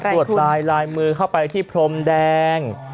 บันโจมว่ารายมือเข้าไปที่พรมแดง